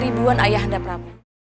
ribuan ayah anda pramu